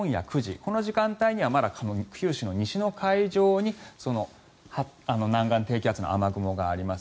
この時間帯にはまだ九州の西の海上に南岸低気圧の雨雲があります。